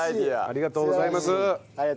ありがとうございます。